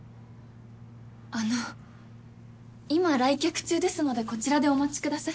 あの今来客中ですのでこちらでお待ちください。